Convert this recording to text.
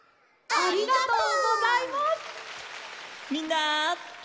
ありがとう。